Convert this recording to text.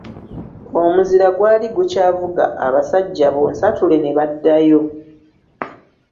Omuzira gwali gukyavuga abasajja bonsatule ne baddayo.